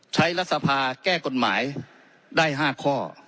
ใช้รัฐธรรมนูลแก้กฎหมายได้๕ข้อ